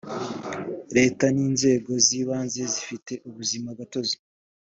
leta n inzego z ibanze zifite ubuzima gatozi